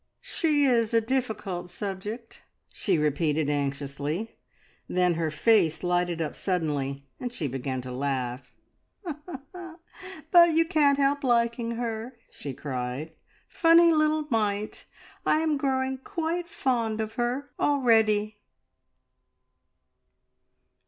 "She is a difficult subject," she repeated anxiously; then her face lighted up suddenly and she began to laugh. "But you can't help liking her!" she cried. "Funny little mite! I am growing quite fond of her already."